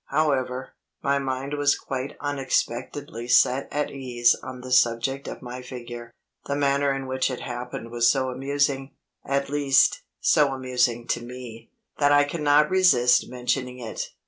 However, my mind was quite unexpectedly set at ease on the subject of my figure. The manner in which it happened was so amusing at least, so amusing to me that I cannot resist mentioning it.